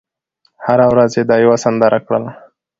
هره ورځ یې دا یوه سندره کړله